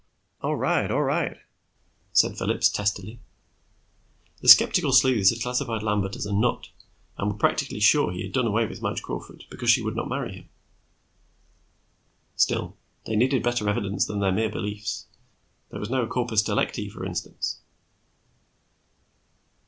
"All right, all right," said Phillips testily. The skeptical sleuths had classified Lambert as a "nut," and were practically sure he had done away with Madge Crawford because she would not marry him. Still, they needed better evidence than their mere beliefs. There was no corpus delicti, for instance.